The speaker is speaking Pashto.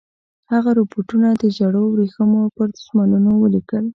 هغه رپوټونه د ژړو ورېښمو پر دسمالونو ولیکل.